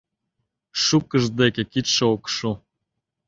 Шукышт деке кидше ок шу.